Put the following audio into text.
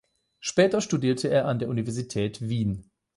Später studierte er an der Universität Wien.